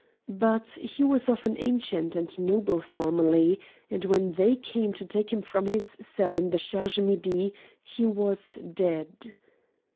But he was of an ancient and noble family, and when they came to take him from his cell in the Cherche Midi, he was dead.